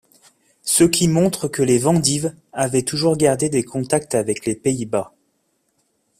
Ce qui montre que les Vandive avaient toujours gardé des contacts avec les Pays-Bas.